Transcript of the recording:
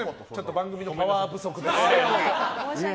番組のパワー不足で。